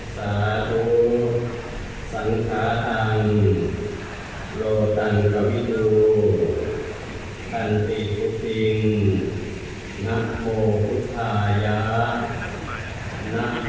สาธุสังฆาตังโลตังกะวิดุคันติภุตินนโภพุทธายะนภาษา